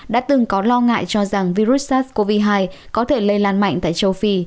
đã từng có lo ngại cho rằng virus sars cov hai có thể lây lan mạnh tại châu phi